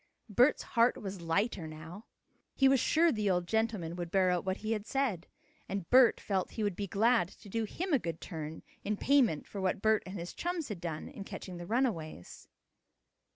Bert's heart was lighter now. He was sure the old gentleman would bear out what he had said, and Bert felt he would be glad to do him a good turn in part payment for what Bert and his chums had done in catching the runaways.